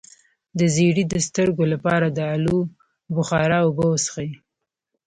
د زیړي د سترګو لپاره د الو بخارا اوبه وڅښئ